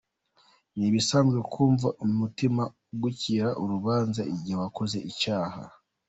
Ni ibisanzwe kumva umutima ugucira urubanza igihe wakoze icyaha.